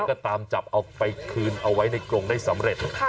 ก็ตามจับเอาไปคืนเอาไว้ในกรงได้สำเร็จ